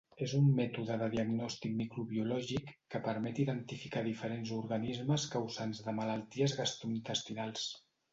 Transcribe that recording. És un mètode de diagnòstic microbiològic que permet identificar diferents organismes causants de malalties gastrointestinals.